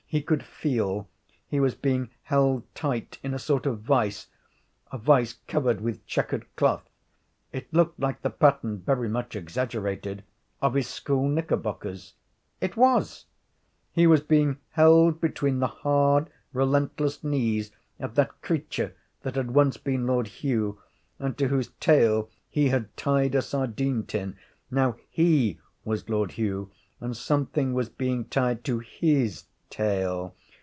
He could feel. He was being held tight in a sort of vice a vice covered with chequered cloth. It looked like the pattern, very much exaggerated, of his school knickerbockers. It was. He was being held between the hard, relentless knees of that creature that had once been Lord Hugh, and to whose tail he had tied a sardine tin. Now he was Lord Hugh, and something was being tied to his tail.